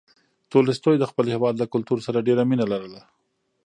تولستوی د خپل هېواد له کلتور سره ډېره مینه لرله.